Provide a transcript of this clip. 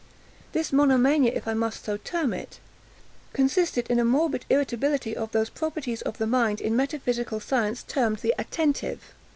This monomania, if I must so term it, consisted in a morbid irritability of those properties of the mind in metaphysical science termed the attentive.